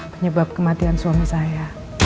penyebab kematian suami saya